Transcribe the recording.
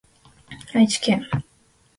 愛知県知立市